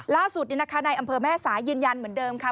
ล่าสุดในอำเภอแม่สายยืนยันเหมือนเดิมค่ะ